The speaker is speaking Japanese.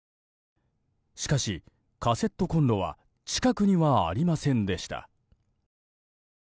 しかし、カセットコンロは近くにはありませんでした。